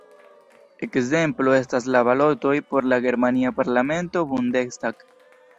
Ekzemplo estas la balotoj por la germania parlamento Bundestag.